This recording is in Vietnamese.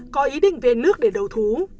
có ý định về nước để đầu thú